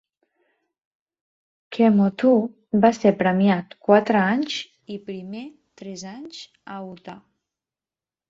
Kemoeatu va ser premiat quatre anys i primer tres anys a Utah.